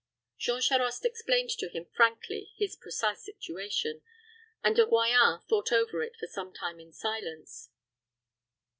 Jean Charost explained to him frankly his precise situation, and De Royans thought over it for some time in silence.